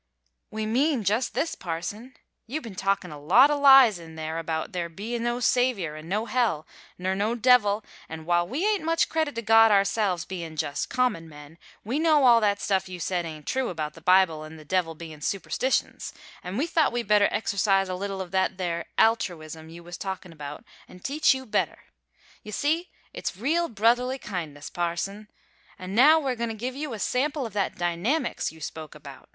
"We mean just this, parson; you been talkin' a lot of lies in there about there bein' no Saviour an' no hell, ner no devil, an' while we ain't much credit to God ourselves, bein' just common men, we know all that stuff you said ain't true about the Bible an' the devil bein' superstitions, an' we thought we better exercise a little of that there altruism you was talkin' about an' teach you better. You see, it's real brotherly kindness, parson. An' now we're goin' to give you a sample of that dynamics you spoke about.